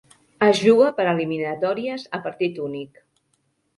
Es juga per eliminatòries a partit únic.